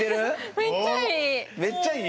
めっちゃいい。